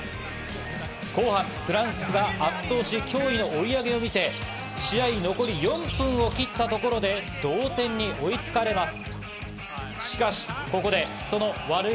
後半、フランスが圧倒し、驚異の追い上げを見せ、試合残り４分を切ったところで同点に追いつかれます。